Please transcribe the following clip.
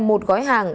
một gói hàng